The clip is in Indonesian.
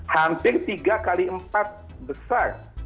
hampir tiga x empat besar